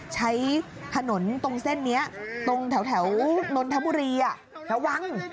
นี่ป้าเป็นนักแข่งมาตั้งแต่เด็กแล้วเว้ย